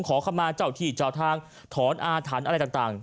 ขอเข้ามาเจ้าที่เจ้าทางถอนอาถรรพ์อะไรต่าง